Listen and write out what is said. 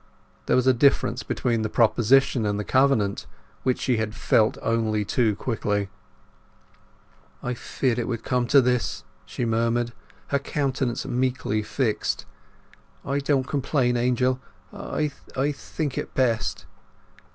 There was a difference between the proposition and the covenant, which she had felt only too quickly. "I feared it would come to this," she murmured, her countenance meekly fixed. "I don't complain, Angel, I—I think it best.